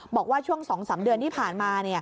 บอกว่าช่วง๒๓เดือนที่ผ่านมา